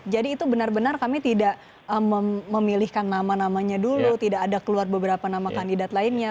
jadi itu benar benar kami tidak memilihkan nama namanya dulu tidak ada keluar beberapa nama kandidat lainnya